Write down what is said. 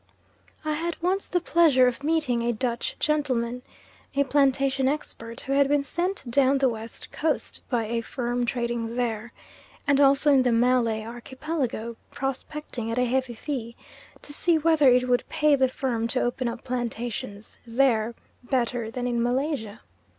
I had once the pleasure of meeting a Dutch gentleman a plantation expert, who had been sent down the West Coast by a firm trading there, and also in the Malay Archipelago prospecting, at a heavy fee, to see whether it would pay the firm to open up plantations there better than in Malaysia.